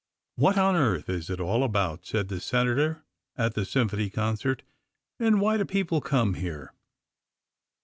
"What on earth is it all about?" said the Senator at the Symphony Concert, "and why do people come here?"